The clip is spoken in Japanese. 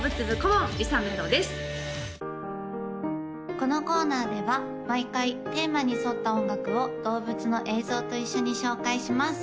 このコーナーでは毎回テーマに沿った音楽を動物の映像と一緒に紹介します